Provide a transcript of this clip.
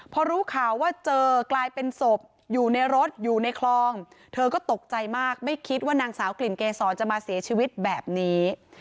พอรู้ข่าวว่าเจอกลายเป็นศพอยู่ในรถอยู่ในคลองเธอก็ตกใจมากไม่คิดว่านางสาวกลิ่นเกษรจะมาเสียชีวิตแบบนี้